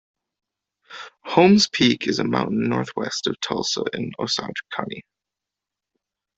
Holmes Peak is a mountain northwest of Tulsa in Osage County.